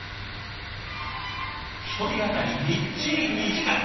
１人当たりみっちり２時間。